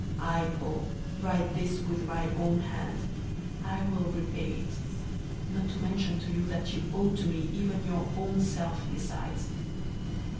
001:019 I, Paul, write this with my own hand: I will repay it (not to mention to you that you owe to me even your own self besides).